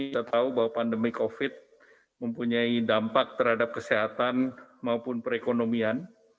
kita tahu bahwa pandemi covid mempunyai dampak terhadap kesehatan maupun perekonomian